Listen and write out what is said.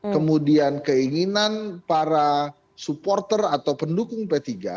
kemudian keinginan para supporter atau pendukung p tiga